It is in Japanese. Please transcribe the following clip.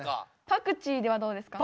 パクチーどうですか？